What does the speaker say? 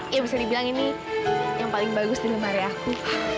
ya bisa dibilang ini yang paling bagus di lemari aku